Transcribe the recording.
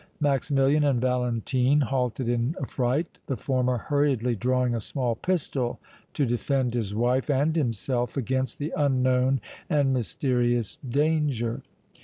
Maximilian and Valentine halted in affright, the former hurriedly drawing a small pistol to defend his wife and himself against the unknown and mysterious danger.